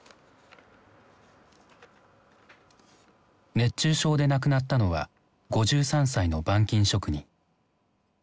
熱中症で亡くなったのは５３歳の板金職人。